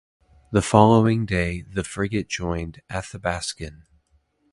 The following day, the frigate joined "Athabaskan".